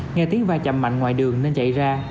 nghe tiếng vai chậm mạnh ngoài đường nên chạy ra